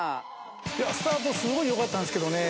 スタートはすごいよかったんですけどね。